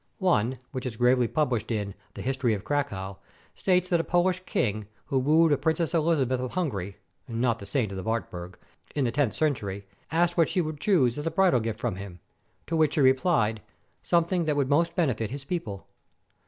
One, which is gravely published in "The History of Cracow," states that a Polish king, who wooed a Princess Elizabeth of Hungary (not the saint of the Wartburg) in the tenth century, asked what she would choose as a bridal gift from him. To which she replied: Something that would most benefit his people.